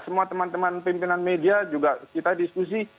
semua teman teman pimpinan media juga kita diskusi